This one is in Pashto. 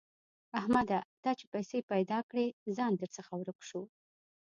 احمده! تا چې پيسې پیدا کړې؛ ځان درڅخه ورک شو.